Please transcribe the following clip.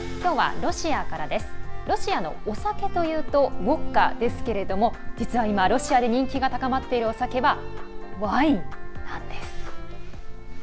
ロシアのお酒というとウォッカですけれども実は今、ロシアで人気が高まっているお酒はワインなんです。